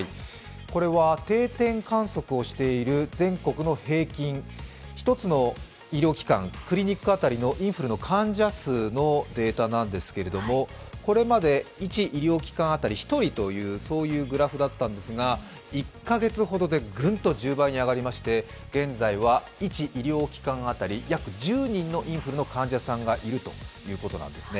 これは定点観測をしている全国の平均、１つの医療機関、クリニック当たりのインフルの患者数のデータなんですけれどこれまで１医療機関当たり１人というグラフだったんですが、１か月ほどでグンと１０倍に上がりまして現在は１医療機関当たり約１０人のインフルの患者さんがいるということなんですね。